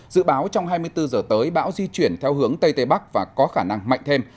dự báo trong hai mươi bốn h tới bão di chuyển theo hướng tây tây bắc và có khả năng mạnh thêm